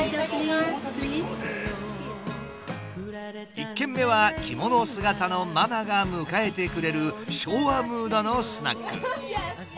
１軒目は着物姿のママが迎えてくれる昭和ムードのスナック。